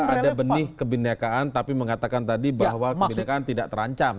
ada benih kebinekaan tapi mengatakan tadi bahwa kebenekaan tidak terancam